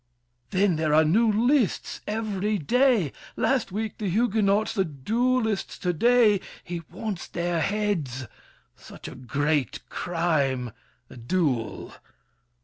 Then there are new lists every day. Last week the Huguenots; the duelists To day! He wants their heads. Such a great crime— A duel!